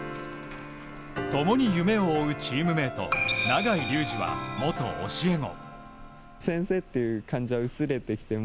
共に夢を追うチームメート永井竜二は元教え子。